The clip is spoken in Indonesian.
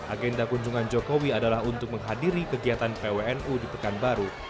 agenda kunjungan jokowi adalah untuk menghadiri kegiatan pwnu di pekanbaru